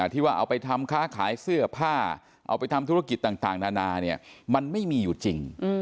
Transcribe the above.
ที่ว่าเอาไปทำค้าขายเสื้อผ้าเอาไปทำธุรกิจต่างนานาเนี่ยมันไม่มีอยู่จริง